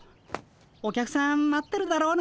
お客さん待ってるだろうな。